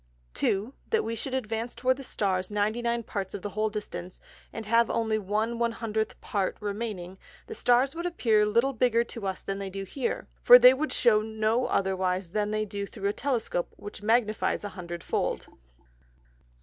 2. That could we advance towards the Stars 99 Parts of the whole Distance, and have only 1/100 Part remaining, the Stars would appear little bigger to us than they do here; for they would shew no otherwise than they do through a Telescope, which magnifies an Hundred fold.